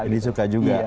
jadi suka juga